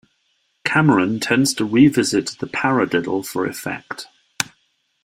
Cameron tends to revisit the paradiddle for effect.